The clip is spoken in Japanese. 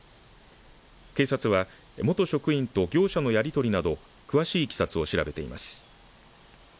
警察は元職員と業者のやり取りなど詳しいいきさつを調べています。